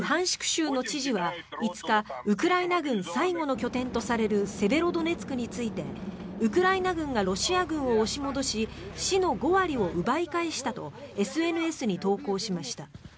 州の知事は５日ウクライナ軍最後の拠点とされるセベロドネツクについてウクライナ軍がロシア軍を押し戻し市の５割を奪い返したとＳＮＳに投稿しました。